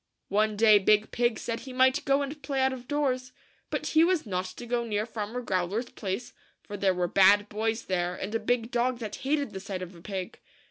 One day Big Pig said he might go and play out of doors ; but he was not to go near Farmer Growler's place, for there were bad boys there, and a big dog that hated the sight of a pig.